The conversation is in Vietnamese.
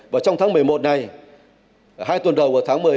và trong tháng một mươi một này hai tuần đầu của tháng một mươi một